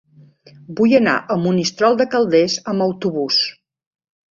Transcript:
Vull anar a Monistrol de Calders amb autobús.